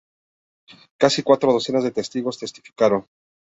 Casi cuatro docenas de testigos testificaron.